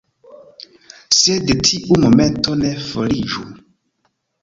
Sed tiu momento ne foriĝu.